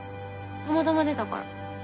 たまたま出たから。